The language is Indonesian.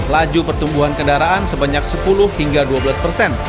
laju pertumbuhan kendaraan sebanyak sepuluh hingga dua belas persen